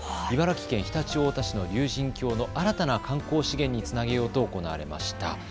茨城県常陸太田市の竜神峡の新たな観光資源につなげようと行われました。